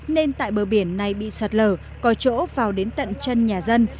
nên tại bờ biển này bị sạt lở có chỗ vào đến tận chân nhà dân